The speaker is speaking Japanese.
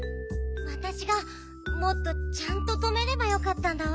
わたしがもっとちゃんととめればよかったんだわ。